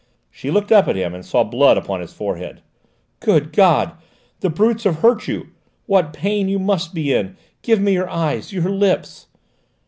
She looked up at him and saw blood upon his forehead. "Good God! The brutes have hurt you! What pain you must be in! Give me your eyes, your lips!"